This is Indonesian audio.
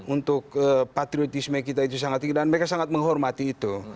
untuk patriotisme kita itu sangat tinggi dan mereka sangat menghormati itu